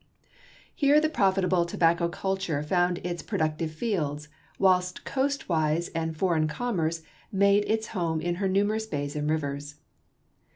Here the profitable tobacco culture found its productive fields, whilst coastwise and foreign commerce made its home in her numerous bays and rivers.